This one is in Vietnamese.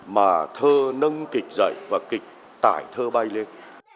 mà thơ nâng kịch dậy và kịch tải thơ bay lên